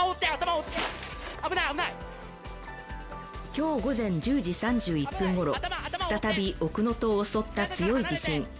今日午前１０時３１分頃再び奥能登を襲った強い地震。